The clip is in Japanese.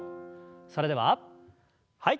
それでははい。